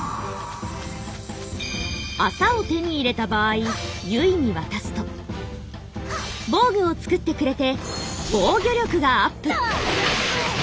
麻を手に入れた場合ゆいに渡すと防具を作ってくれて防御力がアップ！